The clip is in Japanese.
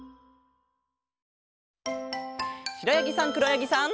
しろやぎさんくろやぎさん。